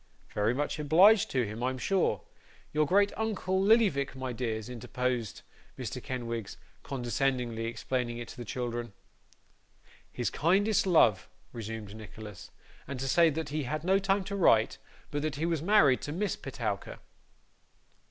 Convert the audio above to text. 'Very much obliged to him, I'm sure. Your great uncle, Lillyvick, my dears!' interposed Mr. Kenwigs, condescendingly explaining it to the children. 'His kindest love,' resumed Nicholas; 'and to say that he had no time to write, but that he was married to Miss Petowker.